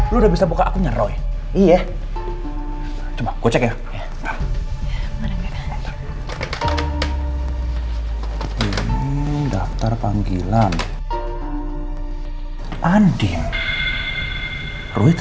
lo udah bisa buka akunnya roy